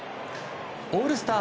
オールスター